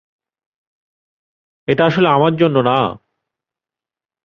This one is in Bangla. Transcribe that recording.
এটা আসলে আমার জন্য না।